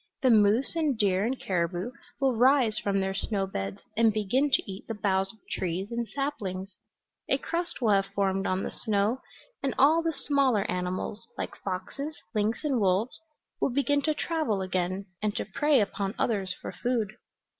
The moose and deer and caribou will rise from their snow beds and begin to eat the boughs of trees and saplings; a crust will have formed on the snow, and all the smaller animals, like foxes, lynx and wolves, will begin to travel again, and to prey upon others for food.